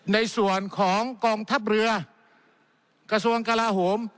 ในส่วนของกองทัพเรือกระทรวงกลาโหม